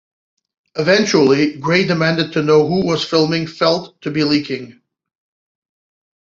Eventually, Gray demanded to know who was claiming Felt to be leaking.